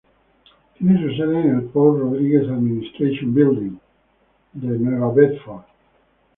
Tiene su sede en el "Paul Rodrigues Administration Building" en New Bedford.